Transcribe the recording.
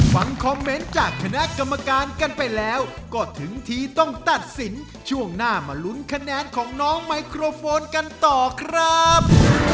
ฟังคอมเมนต์จากคณะกรรมการกันไปแล้วก็ถึงทีต้องตัดสินช่วงหน้ามาลุ้นคะแนนของน้องไมโครโฟนกันต่อครับ